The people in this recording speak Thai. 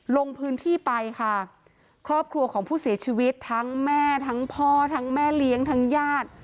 ลงพื้นที่ไปค่ะครอบครัวของผู้เสียชีวิตทั้งแม่ทั้งพ่อทั้งแม่เลี้ยงทั้งญาติ